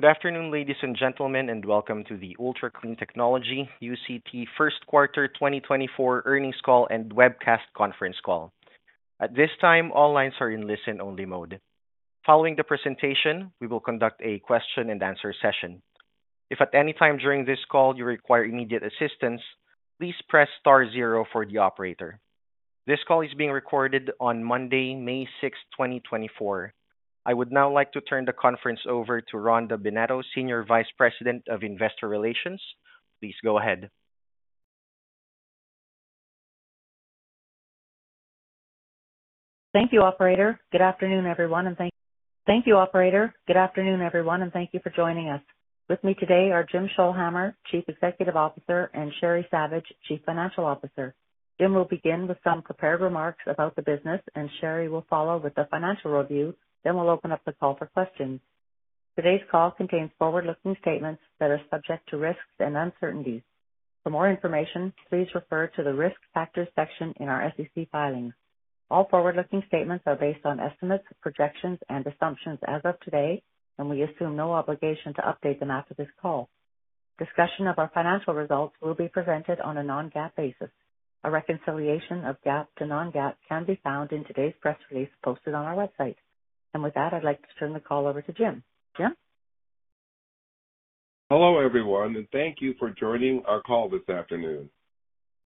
Good afternoon, ladies and gentlemen, and welcome to the Ultra Clean Technology UCT first quarter 2024 earnings call and webcast conference call. At this time, all lines are in listen-only mode. Following the presentation, we will conduct a question-and-answer session. If at any time during this call you require immediate assistance, please press star zero for the operator. This call is being recorded on Monday, May 6th, 2024. I would now like to turn the conference over to Rhonda Bennetto, Senior Vice President of Investor Relations. Please go ahead. Thank you, Operator. Good afternoon, everyone, and thank you. Thank you, Operator. Good afternoon, everyone, and thank you for joining us. With me today are Jim Scholhamer, Chief Executive Officer, and Sheri Savage, Chief Financial Officer. Jim will begin with some prepared remarks about the business, and Sheri will follow with the financial review, then we'll open up the call for questions. Today's call contains forward-looking statements that are subject to risks and uncertainties. For more information, please refer to the Risk Factors section in our SEC filings. All forward-looking statements are based on estimates, projections, and assumptions as of today, and we assume no obligation to update them after this call. Discussion of our financial results will be presented on a non-GAAP basis. A reconciliation of GAAP to non-GAAP can be found in today's press release posted on our website. With that, I'd like to turn the call over to Jim. Jim? Hello everyone, and thank you for joining our call this afternoon.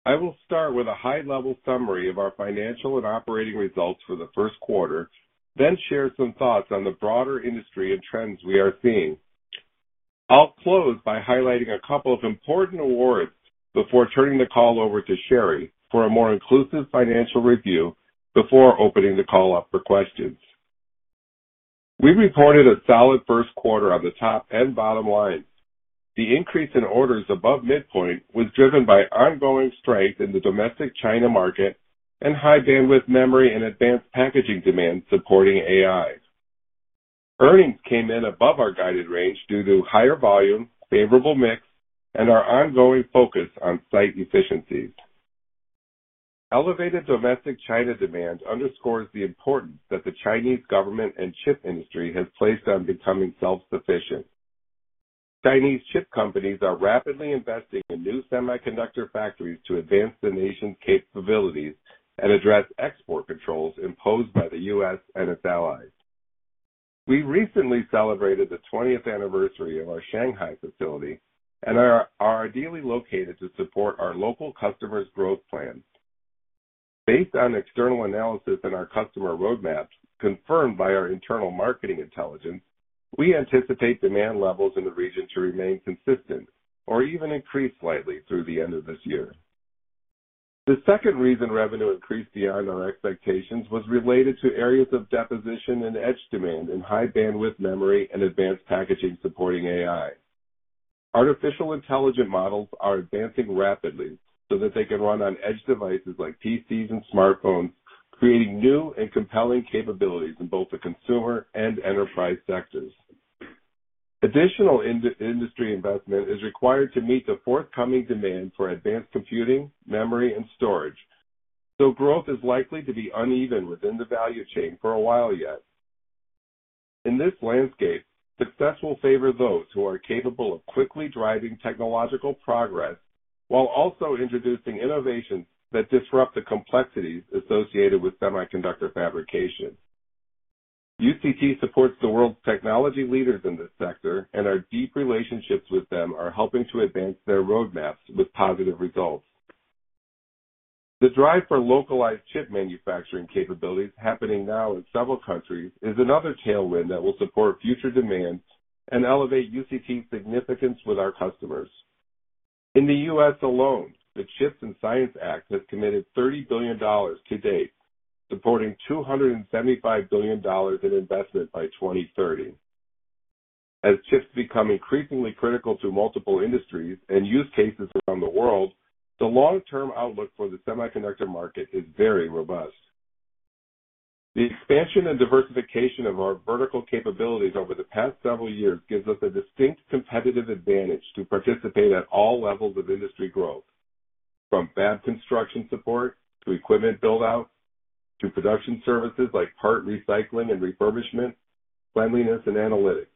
I will start with a high-level summary of our financial and operating results for the first quarter, then share some thoughts on the broader industry and trends we are seeing. I'll close by highlighting a couple of important awards before turning the call over to Sheri for a more inclusive financial review before opening the call up for questions. We reported a solid first quarter on the top and bottom lines. The increase in orders above midpoint was driven by ongoing strength in the domestic China market and high bandwidth memory and advanced packaging demand supporting AI. Earnings came in above our guided range due to higher volume, favorable mix, and our ongoing focus on site efficiencies. Elevated domestic China demand underscores the importance that the Chinese government and chip industry has placed on becoming self-sufficient. Chinese chip companies are rapidly investing in new semiconductor factories to advance the nation's capabilities and address export controls imposed by the U.S. and its allies. We recently celebrated the 20th anniversary of our Shanghai facility and are ideally located to support our local customer's growth plan. Based on external analysis and our customer roadmaps confirmed by our internal marketing intelligence, we anticipate demand levels in the region to remain consistent or even increase slightly through the end of this year. The second reason revenue increased beyond our expectations was related to areas of deposition and etch demand in high bandwidth memory and advanced packaging supporting AI. Artificial intelligence models are advancing rapidly so that they can run on edge devices like PCs and smartphones, creating new and compelling capabilities in both the consumer and enterprise sectors. Additional industry investment is required to meet the forthcoming demand for advanced computing, memory, and storage, so growth is likely to be uneven within the value chain for a while yet. In this landscape, success will favor those who are capable of quickly driving technological progress while also introducing innovations that disrupt the complexities associated with semiconductor fabrication. UCT supports the world's technology leaders in this sector, and our deep relationships with them are helping to advance their roadmaps with positive results. The drive for localized chip manufacturing capabilities happening now in several countries is another tailwind that will support future demands and elevate UCT's significance with our customers. In the U.S. alone, the CHIPS and Science Act has committed $30 billion to date, supporting $275 billion in investment by 2030. As chips become increasingly critical to multiple industries and use cases around the world, the long-term outlook for the semiconductor market is very robust. The expansion and diversification of our vertical capabilities over the past several years gives us a distinct competitive advantage to participate at all levels of industry growth, from fab construction support to equipment buildout to production services like part recycling and refurbishment, cleanliness, and analytics.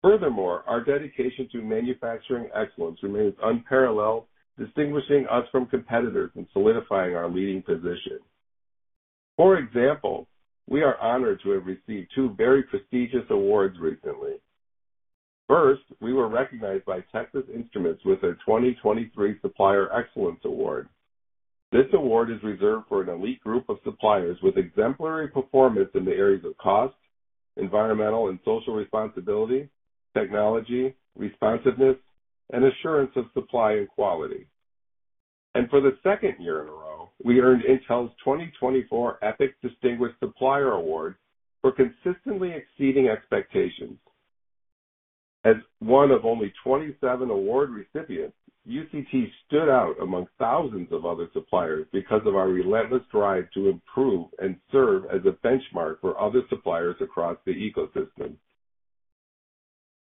Furthermore, our dedication to manufacturing excellence remains unparalleled, distinguishing us from competitors and solidifying our leading position. For example, we are honored to have received two very prestigious awards recently. First, we were recognized by Texas Instruments with a 2023 Supplier Excellence Award. This award is reserved for an elite group of suppliers with exemplary performance in the areas of cost, environmental and social responsibility, technology, responsiveness, and assurance of supply and quality. For the second year in a row, we earned Intel's 2024 EPIC Distinguished Supplier Award for consistently exceeding expectations. As one of only 27 award recipients, UCT stood out among thousands of other suppliers because of our relentless drive to improve and serve as a benchmark for other suppliers across the ecosystem.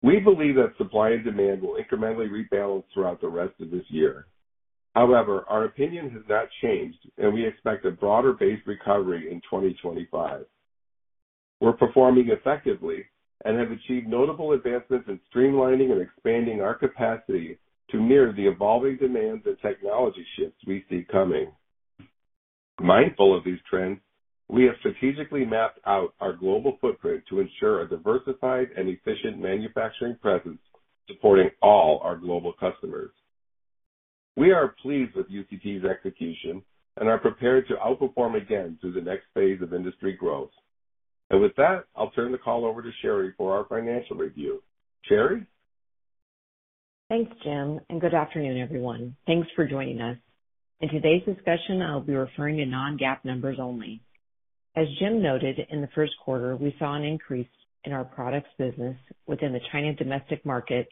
We believe that supply and demand will incrementally rebalance throughout the rest of this year. However, our opinion has not changed, and we expect a broader base recovery in 2025. We're performing effectively and have achieved notable advancements in streamlining and expanding our capacity to mirror the evolving demands and technology shifts we see coming. Mindful of these trends, we have strategically mapped out our global footprint to ensure a diversified and efficient manufacturing presence supporting all our global customers. We are pleased with UCT's execution and are prepared to outperform again through the next phase of industry growth. With that, I'll turn the call over to Sheri for our financial review. Sheri? Thanks, Jim, and good afternoon, everyone. Thanks for joining us. In today's discussion, I'll be referring to Non-GAAP numbers only. As Jim noted, in the first quarter, we saw an increase in our products business within the China domestic market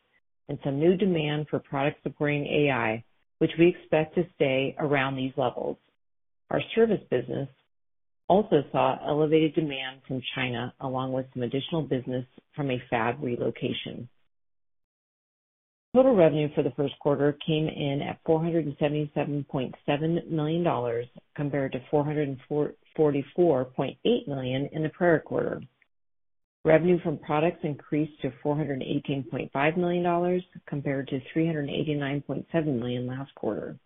and some new demand for products supporting AI, which we expect to stay around these levels. Our service business also saw elevated demand from China along with some additional business from a fab relocation. Total revenue for the first quarter came in at $477.7 million compared to $444.8 million in the prior quarter. Revenue from products increased to $418.5 million compared to $389.7 million last quarter.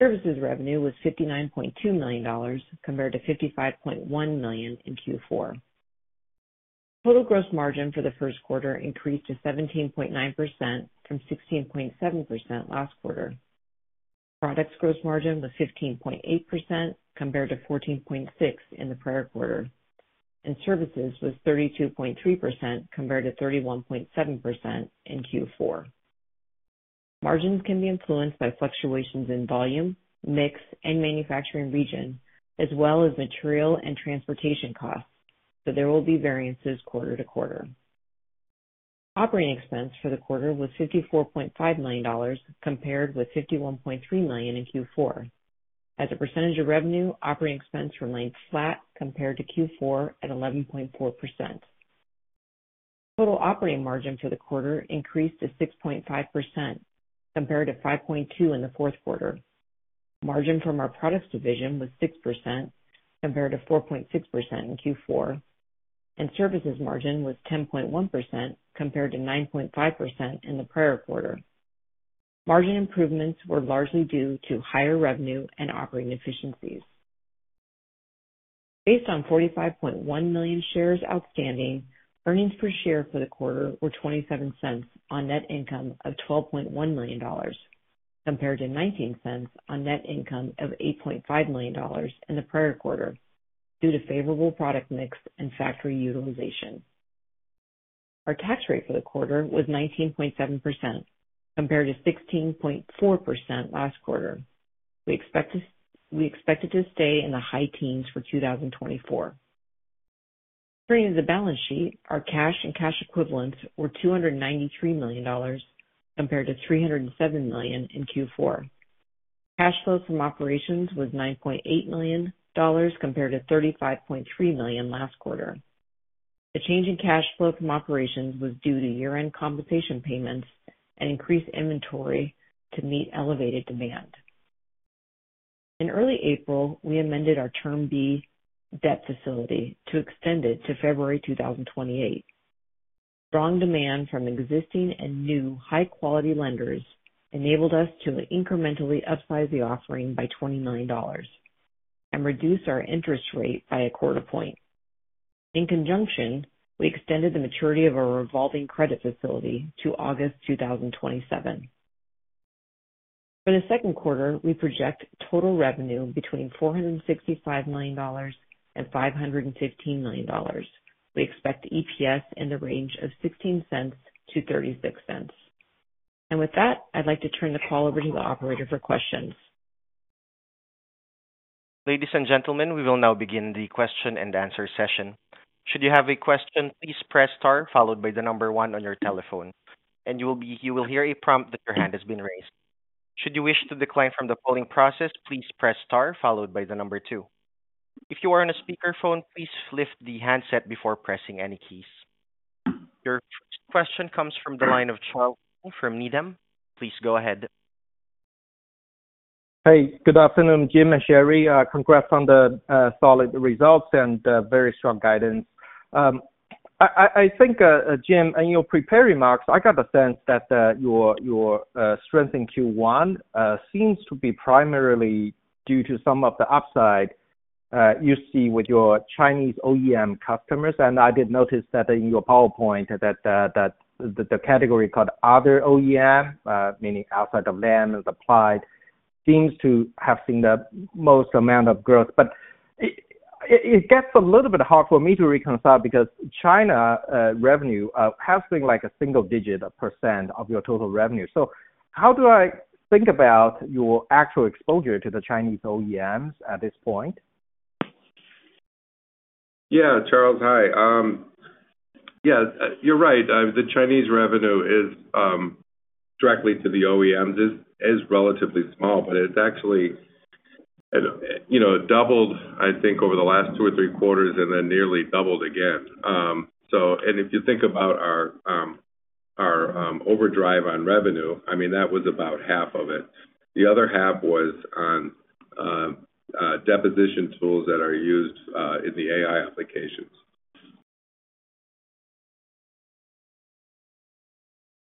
Services revenue was $59.2 million compared to $55.1 million in Q4. Total gross margin for the first quarter increased to 17.9% from 16.7% last quarter. Products gross margin was 15.8% compared to 14.6% in the prior quarter, and services was 32.3% compared to 31.7% in Q4. Margins can be influenced by fluctuations in volume, mix, and manufacturing region, as well as material and transportation costs, so there will be variances quarter to quarter. Operating expense for the quarter was $54.5 million compared with $51.3 million in Q4. As a percentage of revenue, operating expense remained flat compared to Q4 at 11.4%. Total operating margin for the quarter increased to 6.5% compared to 5.2% in the fourth quarter. Margin from our products division was 6% compared to 4.6% in Q4, and services margin was 10.1% compared to 9.5% in the prior quarter. Margin improvements were largely due to higher revenue and operating efficiencies. Based on 45.1 million shares outstanding, earnings per share for the quarter were $0.27 on net income of $12.1 million compared to $0.19 on net income of $8.5 million in the prior quarter due to favorable product mix and factory utilization. Our tax rate for the quarter was 19.7% compared to 16.4% last quarter. We expect it to stay in the high teens for 2024. Turning to the balance sheet, our cash and cash equivalents were $293 million compared to $307 million in Q4. Cash flow from operations was $9.8 million compared to $35.3 million last quarter. The change in cash flow from operations was due to year-end compensation payments and increased inventory to meet elevated demand. In early April, we amended our Term B debt facility to extend it to February 2028. Strong demand from existing and new high-quality lenders enabled us to incrementally upsize the offering by $20 million and reduce our interest rate by a quarter point. In conjunction, we extended the maturity of our revolving credit facility to August 2027. For the second quarter, we project total revenue between $465 million and $515 million. We expect EPS in the range of $0.16-$0.36. And with that, I'd like to turn the call over to the Operator for questions. Ladies and gentlemen, we will now begin the question-and-answer session. Should you have a question, please press star followed by the number one on your telephone, and you will hear a prompt that your hand has been raised. Should you wish to decline from the polling process, please press star followed by the number two. If you are on a speakerphone, please lift the handset before pressing any keys. Your first question comes from the line of Charles Shi from Needham. Please go ahead. Hey, good afternoon, Jim and Sheri. Congrats on the solid results and very strong guidance. I think, Jim, in your prepared remarks, I got the sense that your strength in Q1 seems to be primarily due to some of the upside you see with your Chinese OEM customers. I did notice that in your PowerPoint that the category called Other OEM, meaning outside of Lam and Applied, seems to have seen the most amount of growth. It gets a little bit hard for me to reconcile because China revenue has been a single-digit % of your total revenue. So how do I think about your actual exposure to the Chinese OEMs at this point? Yeah, Charles, hi. Yeah, you're right. The Chinese revenue directly to the OEMs is relatively small, but it's actually doubled, I think, over the last two or three quarters and then nearly doubled again. And if you think about our overdrive on revenue, I mean, that was about half of it. The other half was on deposition tools that are used in the AI applications.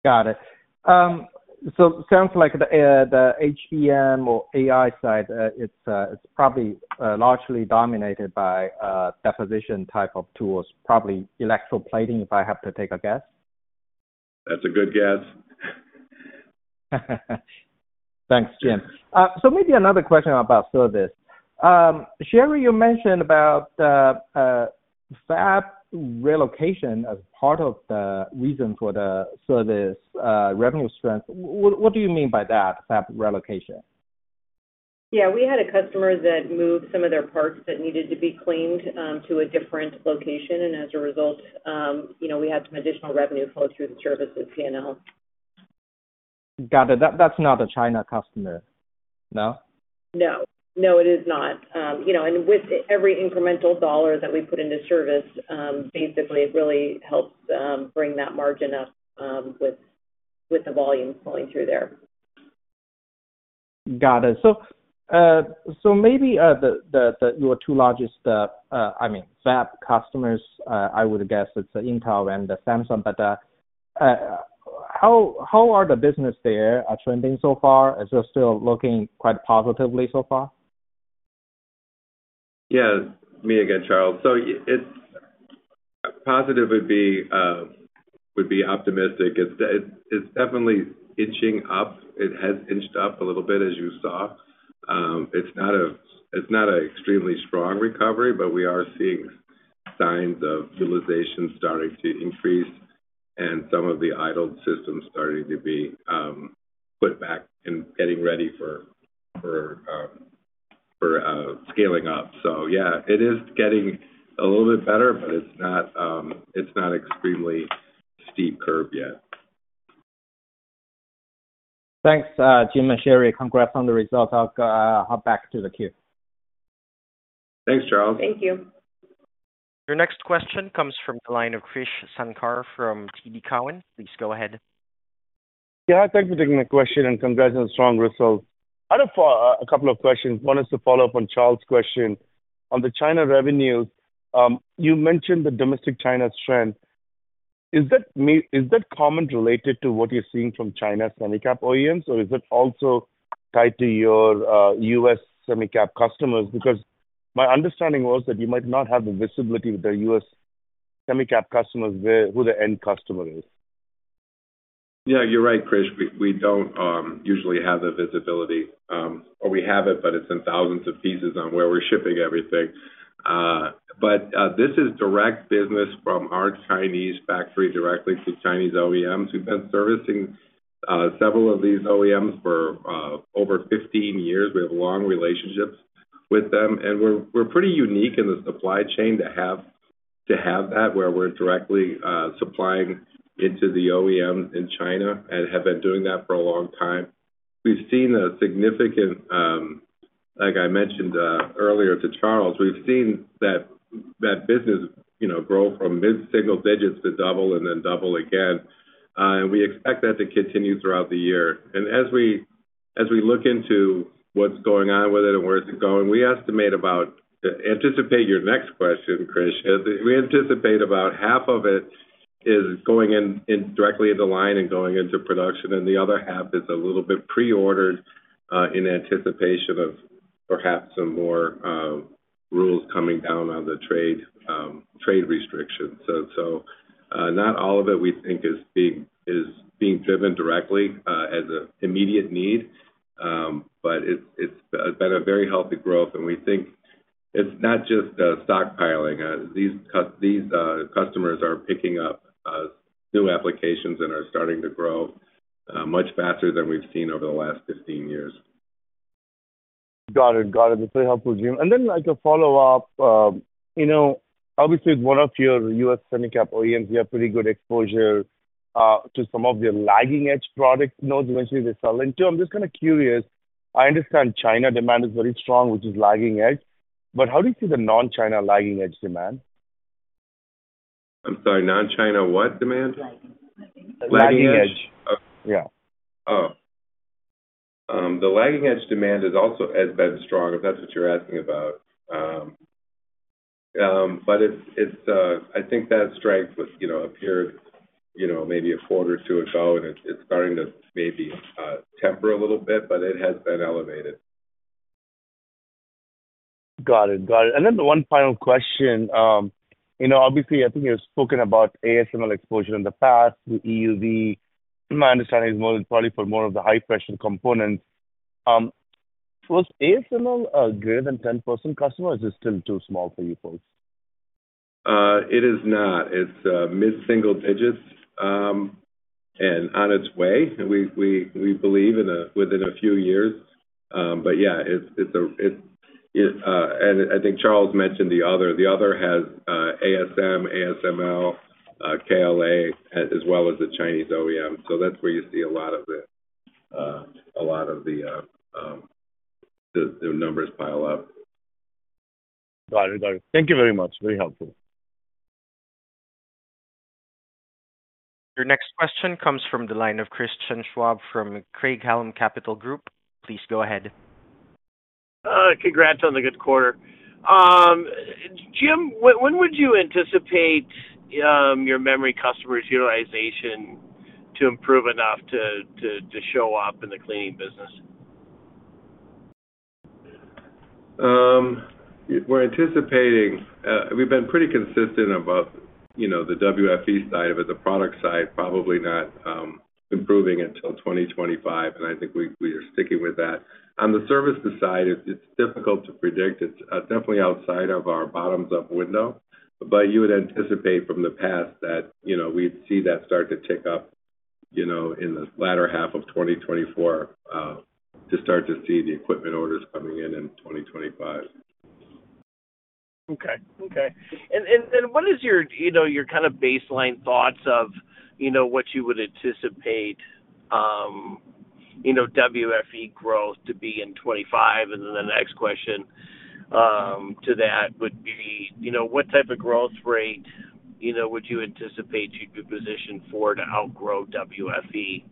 Got it. So it sounds like the HBM or AI side, it's probably largely dominated by deposition type of tools, probably electroplating, if I have to take a guess. That's a good guess. Thanks, Jim. So maybe another question about service. Sheri, you mentioned about fab relocation as part of the reason for the service revenue strength. What do you mean by that, fab relocation? Yeah, we had a customer that moved some of their parts that needed to be cleaned to a different location, and as a result, we had some additional revenue flow through the Services P&L. Got it. That's not a China customer, no? No, no, it is not. With every incremental dollar that we put into service, basically, it really helps bring that margin up with the volume flowing through there. Got it. So maybe your two largest, I mean, fab customers, I would guess it's Intel and Samsung. But how are the business there trending so far? Is it still looking quite positively so far? Yeah, me again, Charles. So positive would be optimistic. It's definitely inching up. It has inched up a little bit, as you saw. It's not an extremely strong recovery, but we are seeing signs of utilization starting to increase and some of the idled systems starting to be put back and getting ready for scaling up. So yeah, it is getting a little bit better, but it's not an extremely steep curve yet. Thanks, Jim and Sheri. Congrats on the results. I'll hop back to the queue. Thanks, Charles. Thank you. Your next question comes from the line of Krish Sankar from TD Cowen. Please go ahead. Yeah, thanks for taking my question and congrats on the strong results. I have a couple of questions. One is to follow up on Charles' question. On the China revenues, you mentioned the domestic China strength. Is that commonly related to what you're seeing from China semicap OEMs, or is it also tied to your U.S. semicap customers? Because my understanding was that you might not have the visibility with the U.S. semicap customers who the end customer is. Yeah, you're right, Krish. We don't usually have the visibility. Or we have it, but it's in thousands of pieces on where we're shipping everything. But this is direct business from our Chinese factory directly to Chinese OEMs. We've been servicing several of these OEMs for over 15 years. We have long relationships with them. And we're pretty unique in the supply chain to have that, where we're directly supplying into the OEMs in China and have been doing that for a long time. We've seen a significant, like I mentioned earlier to Charles, we've seen that business grow from mid-single digits to double and then double again. And we expect that to continue throughout the year. And as we look into what's going on with it and where it's going, we estimate about anticipate your next question, Krish. We anticipate about half of it is going directly into line and going into production, and the other half is a little bit pre-ordered in anticipation of perhaps some more rules coming down on the trade restrictions. So not all of it, we think, is being driven directly as an immediate need, but it's been a very healthy growth. And we think it's not just stockpiling. These customers are picking up new applications and are starting to grow much faster than we've seen over the last 15 years. Got it. Got it. That's very helpful, Jim. And then a follow-up. Obviously, with one of your U.S. semicap OEMs, you have pretty good exposure to some of the lagging-edge product nodes eventually they sell into. I'm just kind of curious. I understand China demand is very strong, which is lagging-edge. But how do you see the non-China lagging-edge demand? I'm sorry, non-China what demand? Lagging-edge. Lagging-edge. Yeah. Oh. The lagging-edge demand has also been strong, if that's what you're asking about. But I think that strength appeared maybe a quarter or two ago, and it's starting to maybe temper a little bit, but it has been elevated. Got it. Got it. And then one final question. Obviously, I think you've spoken about ASML exposure in the past, the EUV. My understanding is probably for more of the high-pressure components. Was ASML greater than 10% customers, or is it still too small for you folks? It is not. It's mid-single digits and on its way, we believe, within a few years. But yeah, it's a and I think Charles mentioned the other. The other has ASM, ASML, KLA, as well as the Chinese OEM. So that's where you see a lot of the numbers pile up. Got it. Got it. Thank you very much. Very helpful. Your next question comes from the line of Christian Schwab from Craig-Hallum Capital Group. Please go ahead. Congrats on the good quarter. Jim, when would you anticipate your memory customers' utilization to improve enough to show up in the cleaning business? We're anticipating we've been pretty consistent about the WFE side of it. The product side, probably not improving until 2025, and I think we are sticking with that. On the service side, it's difficult to predict. It's definitely outside of our bottoms-up window. But you would anticipate from the past that we'd see that start to tick up in the latter half of 2024 to start to see the equipment orders coming in in 2025. Okay. Okay. And then what is your kind of baseline thoughts of what you would anticipate WFE growth to be in 2025? And then the next question to that would be, what type of growth rate would you anticipate you'd be positioned for to outgrow WFE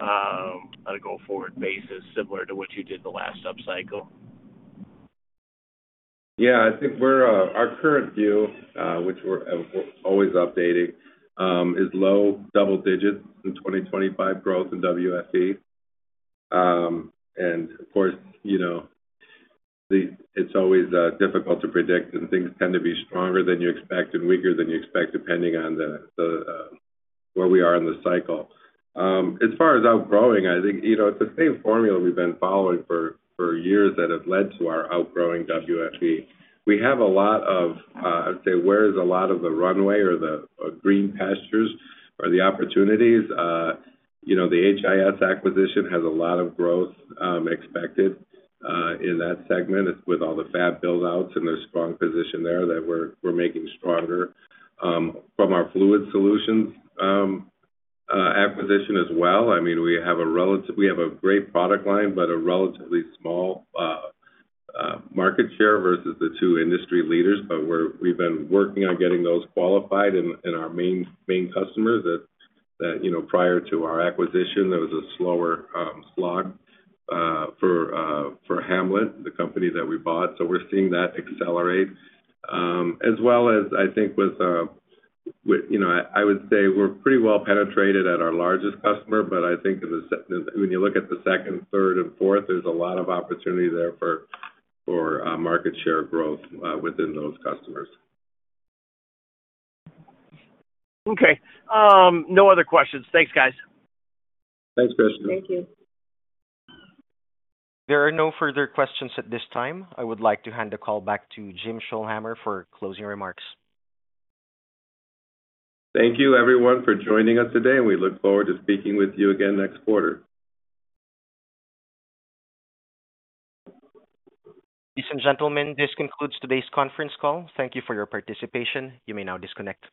on a go-forward basis, similar to what you did the last upcycle? Yeah, I think our current view, which we're always updating, is low double-digit growth in WFE in 2025. Of course, it's always difficult to predict, and things tend to be stronger than you expect and weaker than you expect depending on where we are in the cycle. As far as outgrowing, I think it's the same formula we've been following for years that has led to our outgrowing WFE. We have a lot of. I would say, where there's a lot of the runway or the green pastures or the opportunities? The HIS acquisition has a lot of growth expected in that segment with all the fab buildouts, and they're strongly positioned there that we're making stronger. From our Fluid Solutions acquisition as well, I mean, we have a relatively great product line, but a relatively small market share versus the two industry leaders. But we've been working on getting those qualified in our main customers. Prior to our acquisition, there was a slower slog for Ham-Let, the company that we bought. So we're seeing that accelerate, as well as, I think, with I would say we're pretty well penetrated at our largest customer. But I think when you look at the second, third, and fourth, there's a lot of opportunity there for market share growth within those customers. Okay. No other questions. Thanks, guys. Thanks, Christian. Thank you. There are no further questions at this time. I would like to hand the call back to Jim Scholhamer for closing remarks. Thank you, everyone, for joining us today, and we look forward to speaking with you again next quarter. Ladies and gentlemen, this concludes today's conference call. Thank you for your participation. You may now disconnect.